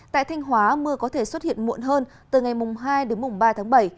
tại thanh hóa mưa có thể xuất hiện muộn hơn từ ngày hai đến mùng ba tháng bảy